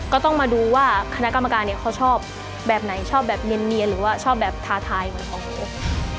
ก็ต้องมาดูว่าคณะกรรมการเนี่ยเขาชอบแบบไหนชอบแบบเนียนหรือว่าชอบแบบท้าทายเหมือนของพวก